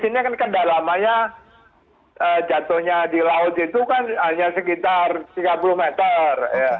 ini kan kedalamannya jatuhnya di laut itu kan hanya sekitar tiga puluh meter